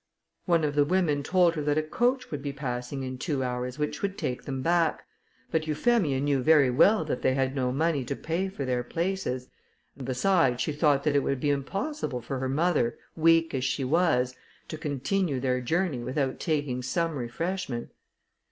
One of the women told her that a coach would be passing in two hours which would take them back, but Euphemia knew very well that they had no money to pay for their places, and besides she thought that it would be impossible for her mother, weak as she was, to continue her journey without taking some refreshment.